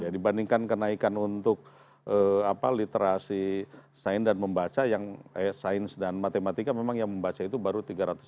dibandingkan kenaikan untuk literasi sains dan matematika memang yang membaca itu baru tiga ratus sembilan puluh tujuh